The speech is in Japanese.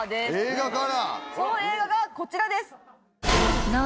その映画がこちらです。